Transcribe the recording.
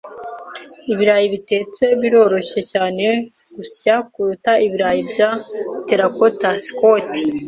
Ibirayi bitetse biroroshye cyane gusya kuruta ibirayi bya terracotta. (Scott)